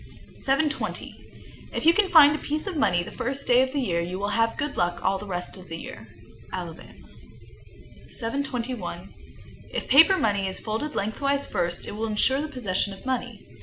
_ 720. If you find a piece of money the first day of the year, you will have good luck all the rest of the year. Alabama. 721. If paper money is folded lengthwise first, it will insure the possession of money.